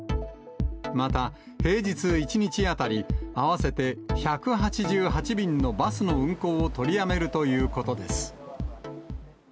また、平日１日当たり、合わせて１８８便のバスの運行を取りやめるということです。